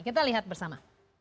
kita lihat bersama